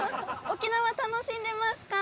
沖縄楽しんでますか？